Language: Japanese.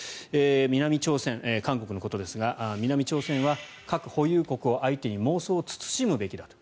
南朝鮮、韓国のことですが南朝鮮は核保有国を相手に妄想を慎むべきだと。